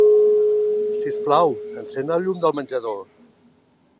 Sisplau, encén el llum del menjador.